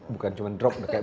bukan cuman drop kayak bubar